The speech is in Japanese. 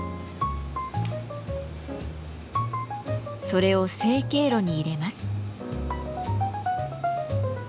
それを成形炉に入れます。